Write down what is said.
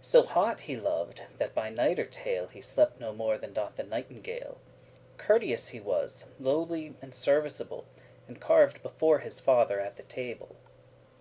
So hot he loved, that by nightertale* *night time He slept no more than doth the nightingale. Courteous he was, lowly, and serviceable, And carv'd before his father at the table.